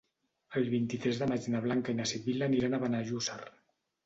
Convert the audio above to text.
El vint-i-tres de maig na Blanca i na Sibil·la aniran a Benejússer.